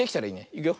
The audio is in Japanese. いくよ。